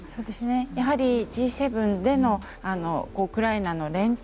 やはりＧ７でのウクライナへの連帯。